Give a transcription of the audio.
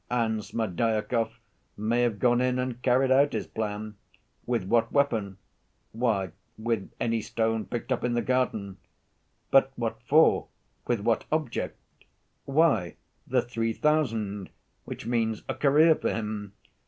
And Smerdyakov may have gone in and carried out his plan. With what weapon? Why, with any stone picked up in the garden. But what for, with what object? Why, the three thousand which means a career for him.